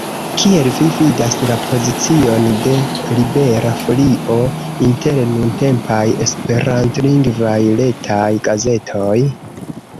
Kiel vi vidas la pozicion de Libera Folio inter nuntempaj esperantlingvaj retaj gazetoj?